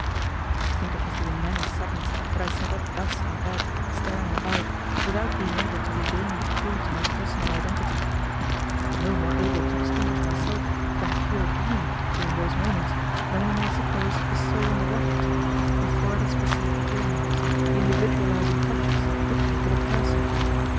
I think it must have been many seconds that I sat up thus in bed staring about, without being able to regain the clew to my personal identity. I was no more able to distinguish myself from pure being during those moments than we may suppose a soul in the rough to be before it has received the ear marks, the individualizing touches which make it a person.